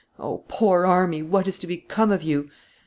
O, poor army, what is to become of you?